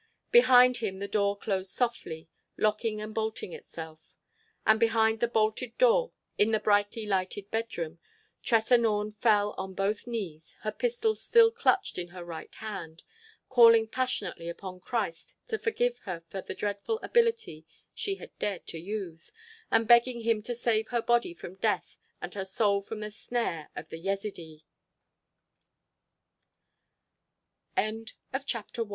Behind him the door closed softly, locking and bolting itself. And behind the bolted door in the brightly lighted bedroom Tressa Norne fell on both knees, her pistol still clutched in her right hand, calling passionately upon Christ to forgive her for the dreadful ability she had dared to use, and begging Him to save her body from death and her soul from the snare of the Yezidee. CHAPTER II THE YELLOW SNA